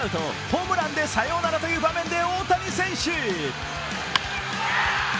ホームランでサヨナラという場面で大谷選手。